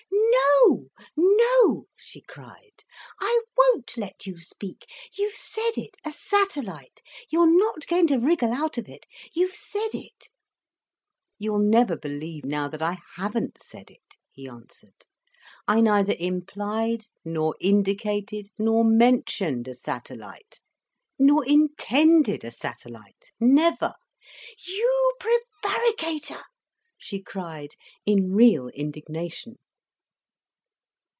"No, no!" she cried. "I won't let you speak. You've said it, a satellite, you're not going to wriggle out of it. You've said it." "You'll never believe now that I haven't said it," he answered. "I neither implied nor indicated nor mentioned a satellite, nor intended a satellite, never." "You prevaricator!" she cried, in real indignation.